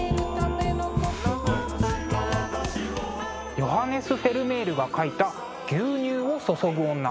ヨハネス・フェルメールが描いた「牛乳を注ぐ女」。